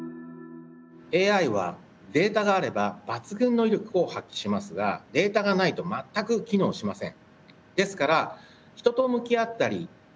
ＡＩはデータがあれば抜群の威力を発揮しますがデータがないと全く機能しません。